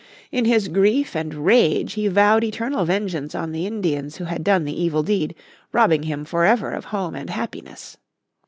In his grief and rage he vowed eternal vengeance on the Indians who had done the evil deed, robbing him for ever of home and happiness.